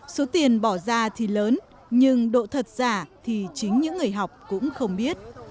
số tiền bỏ ra thì lớn nhưng độ thật giả thì chính những người học cũng không biết